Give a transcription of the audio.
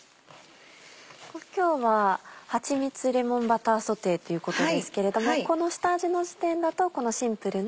今日ははちみつレモンバターソテーっていうことですけれどもこの下味の時点だとシンプルな。